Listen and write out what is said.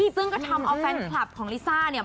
ซึ่งก็ทำเอาแฟนคลับของลิซ่าเนี่ย